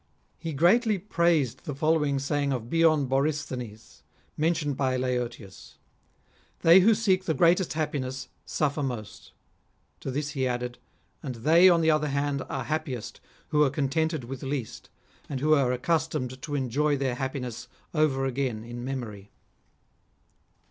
He greatly praised the following saying of Bion Borysthenes, mentioned by Laertius :" They who seek the greatest happiness, suffer most." To this he added :" And they on the other hand are happiest who are con tented with least, and who are accustomed to enjoy their happiness over again in memory."